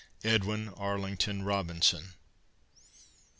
EDWIN ARLINGTON ROBINSON.